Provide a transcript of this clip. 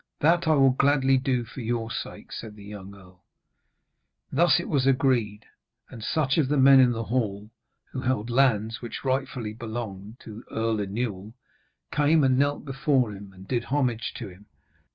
'That I will gladly do for your sake,' said the young earl. Thus it was agreed; and such of the men in the hall who held lands which rightly belonged to Earl Inewl came and knelt before him and did homage to him.